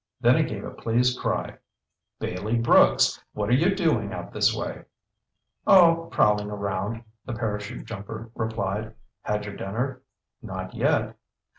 Then he gave a pleased cry: "Bailey Brooks! What are you doing out this way?" "Oh, prowling around," the parachute jumper replied. "Had your dinner?" "Not yet."